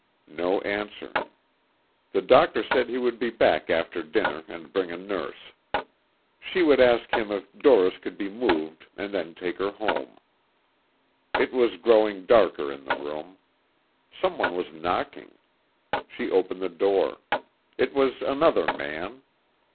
No answer. The doctor said he would be back after dinner and bring a nurse. She would ask him if Doris could be moved and then take her home. It was growing darker in the room. Someone was knocking. She opened the door. It was another man.